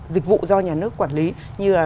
dịch vụ do nhà nước quản lý như là